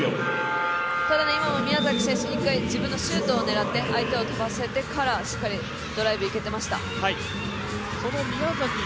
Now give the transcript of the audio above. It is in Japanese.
ただ今、宮崎選手、シュートを狙って相手を跳ばせてからしっかりドライブいけてました。